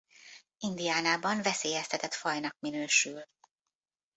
Indianában veszélyeztetett fajnak minősül.